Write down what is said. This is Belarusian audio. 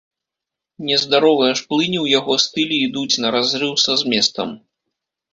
Нездаровыя ж плыні ў яго стылі ідуць на разрыў са зместам.